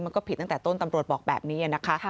มันก็ผิดตั้งแต่ต้นตำรวจบอกแบบนี้นะคะ